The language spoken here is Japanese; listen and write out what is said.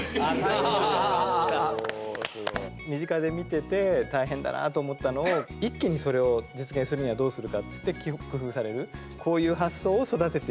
身近で見てて大変だなあと思ったのを一気にそれを実現するにはどうするかっつって工夫される。